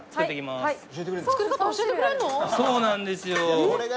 そうなんですよ。